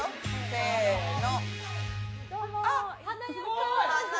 せの！